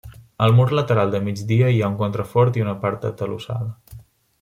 Al mur lateral de migdia hi ha un contrafort i una part atalussada.